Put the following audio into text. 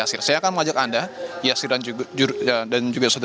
saya akan mengajak anda